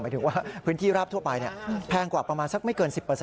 ถึงว่าพื้นที่ราบทั่วไปแพงกว่าประมาณสักไม่เกิน๑๐